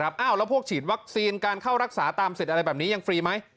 แล้วพวกฉีดวัคซีนการเข้ารักษาตามสิทธิ์อะไรแบบนี้ยังฟรีไหม